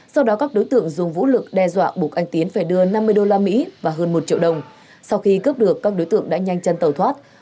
sau đó các đối tượng dùng vũ lực đe dọa buộc anh tiến phải đưa năm mươi usd và hơn một triệu đồng sau khi cướp được các đối tượng đã nhanh chân tàu thoát